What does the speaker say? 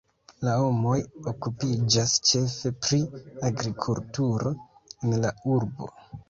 La homoj okupiĝas ĉefe pri agrikulturo en la urbo.